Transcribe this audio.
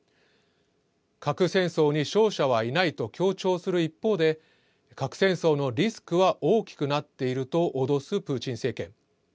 核戦争に勝者はいないと強調する一方で、核戦争のリスクは大きくなっていると脅すプーチン政権。